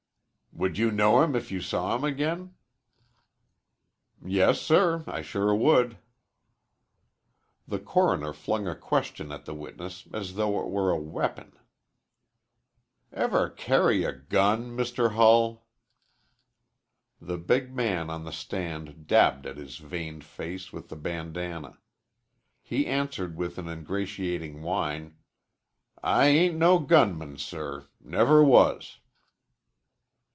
"Would you know him if you saw him again?" "Yes, sir, I sure would." The coroner flung a question at the witness as though it were a weapon, "Ever carry a gun, Mr. Hull?" The big man on the stand dabbed at his veined face with the bandanna. He answered, with an ingratiating whine. "I ain't no gunman, sir. Never was."